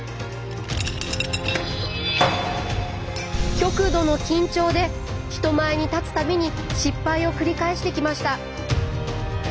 極度の緊張で人前に立つ度に失敗を繰り返してきました。